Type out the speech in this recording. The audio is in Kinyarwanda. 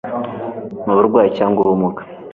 n uburwayi cyangwa ubumuga